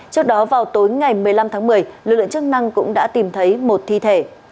trước đó vào tối ngày một mươi năm tháng một mươi lực lượng chức năng cũng đã tìm thấy một thi thể